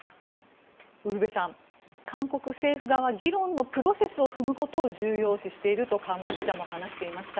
ウルヴェさん韓国政府側は議論のプロセスを踏むことを重要視していると河村記者も話していました。